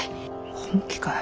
本気かえ？